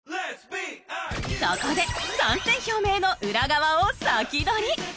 そこで参戦表明の裏側をサキドリ！